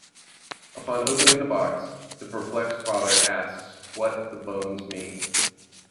Upon opening the box, the perplexed father asks what the bones mean.